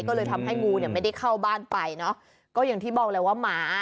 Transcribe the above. ก็เลยทำให้งูเนี่ยไม่ได้เข้าบ้านไปเนอะก็อย่างที่บอกแหละว่าหมา